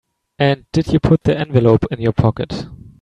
And did you put the envelope in your pocket?